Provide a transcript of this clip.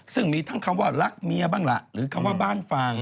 ซึ่งมีทั้งคำว่ารักเมียบ้างล่ะหรือคำว่าบ้านฟัง